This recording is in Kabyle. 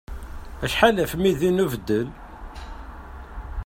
Acḥal afmiḍi n ubeddel?